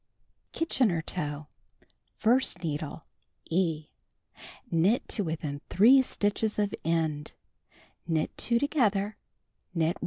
Kitchener Toe: 1st needle — (E) Knit to within 3 stitches of end, knit 2 together, knit 1.